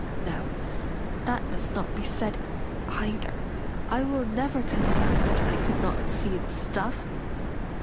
No, that must not be said either. I will never confess that I could not see the stuff."